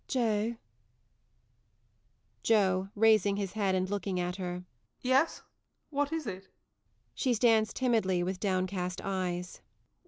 _] Joe JOE. [Raising his head and looking at her.] Yes what is it? [_She stands timidly with downcast eyes.